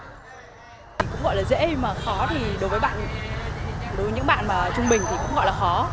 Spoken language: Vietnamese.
cũng gọi là dễ mà khó thì đối với bạn đối với những bạn mà trung bình thì cũng gọi là khó